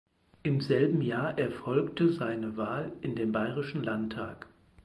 Im selben Jahr erfolgte seine Wahl in den Bayerischen Landtag.